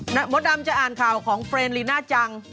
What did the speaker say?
มดดำจะอ่านข่าวของเฟรนลีน่าจัง